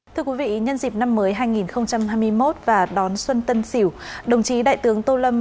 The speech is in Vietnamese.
thưa quý vị nhân dịp năm mới hai nghìn hai mươi một và đón xuân tân sỉu đồng chí đại tướng tô lâm